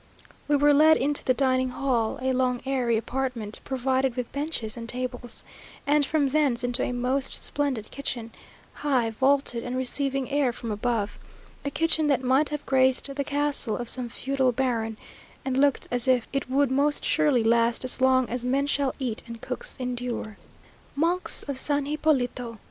We were led into the dining hall, a long airy apartment, provided with benches and tables, and from thence into a most splendid kitchen, high, vaulted, and receiving air from above, a kitchen that might have graced the castle of some feudal baron, and looked as if it would most surely last as long as men shall eat and cooks endure. Monks of San Hipólito!